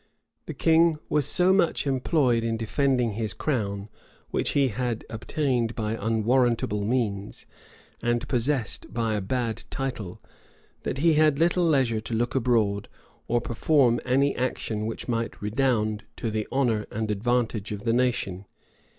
The king was so much employed in defending his crown, which he had obtained by unwarrantable means, and possessed by a bad title, that he had little leisure to look abroad, or perform any action which might redound to the honor and advantage of the nation.